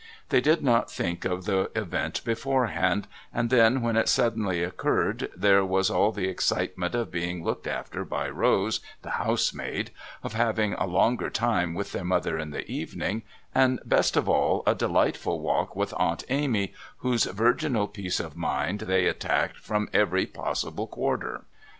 They did not think of the event beforehand, and then when it suddenly occurred there was all the excitement of being looked after by Rose, the housemaid, of having a longer time with their mother in the evening, and, best of all, a delightful walk with Aunt Amy, whose virginal peace of mind they attacked from every possible quarter.